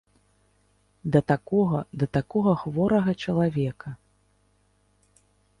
Да такога, да такога хворага чалавека!